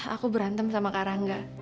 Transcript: aku berantem sama karangga